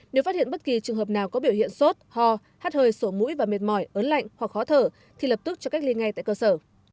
nếu phát hiện bất kỳ trường hợp nào có biểu hiện sốt ho hát hơi sổ mũi và mệt mỏi ớn lạnh hoặc khó thở thì lập tức cho cách ly ngay tại cơ sở